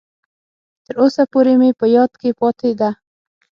تر اوسه پورې مې په یاد کې پاتې ده.